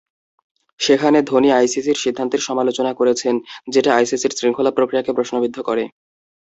সেখানে ধোনি আইসিসির সিদ্ধান্তের সমালোচনা করেছেন, যেটা আইসিসির শৃঙ্খলা প্রক্রিয়াকে প্রশ্নবিদ্ধ করে।